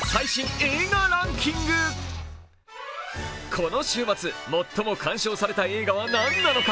この週末、最も鑑賞された映画は何なのか。